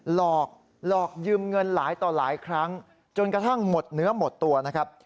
หลอกหลอกยืมเงินหลายต่อหลายครั้งจนกระทั่งหมดเนื้อหมดตัวนะครับ